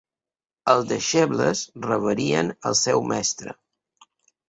Els deixebles reverien el seu mestre.